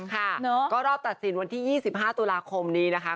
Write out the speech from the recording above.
ค่ะก็รอบตัดสินวันที่๒๕ตุลาคมนี้นะคะ